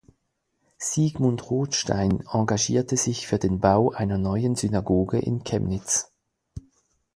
Siegmund Rotstein engagierte sich für den Bau einer neuen Synagoge in Chemnitz.